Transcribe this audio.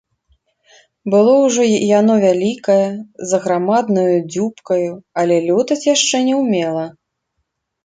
Было ўжо яно вялікае, з аграмаднаю дзюбкаю, але лётаць яшчэ не ўмела.